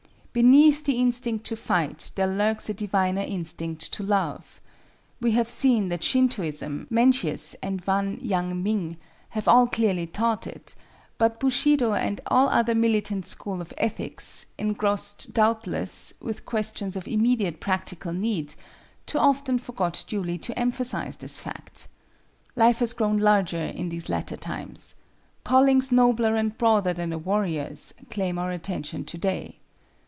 Beneath the instinct to fight there lurks a diviner instinct to love. We have seen that Shintoism, Mencius and Wan Yang Ming, have all clearly taught it; but Bushido and all other militant schools of ethics, engrossed, doubtless, with questions of immediate practical need, too often forgot duly to emphasize this fact. Life has grown larger in these latter times. Callings nobler and broader than a warrior's claim our attention to day.